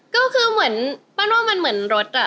ก็คือเหมือนป้าโน่มันเหมือนรถอ่ะ